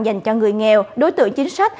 dành cho người nghèo đối tượng chính sách